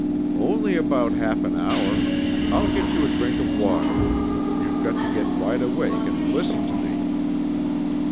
"Only about half an hour. I'll get you a drink of water. You've got to get wide awake and listen to me!"